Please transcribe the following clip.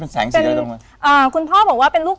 เป็นแสงสีอะไรบ้าง